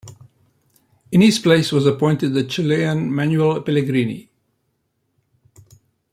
In his place was appointed the Chilean Manuel Pellegrini.